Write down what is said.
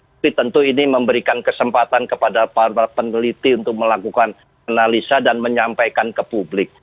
tapi tentu ini memberikan kesempatan kepada para peneliti untuk melakukan analisa dan menyampaikan ke publik